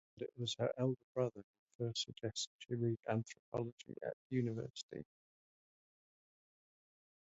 And it was her elder brother who first suggested she read anthropology at university.